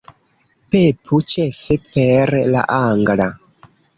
Pepu ĉefe per la angla